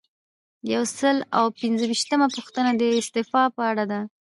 یو سل او پنځه ویشتمه پوښتنه د استعفا په اړه ده.